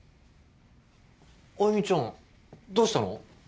愛魅ちゃんどうしたの？